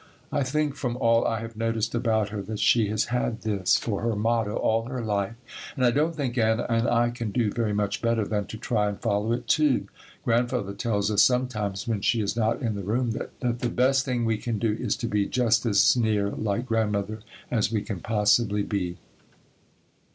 I think, from all I have noticed about her, that she has had this for her motto all her life and I don't think Anna and I can do very much better than to try and follow it too. Grandfather tells us sometimes, when she is not in the room, that the best thing we can do is to be just as near like Grandmother as we can possibly be.